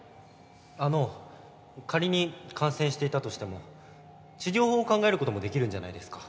あの仮に感染していたとしても治療法を考えることもできるんじゃないですか？